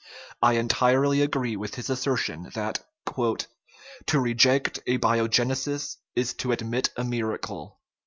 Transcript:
I entirely agree with his assertion that " to reject abiogenesis is to admit a mir acle."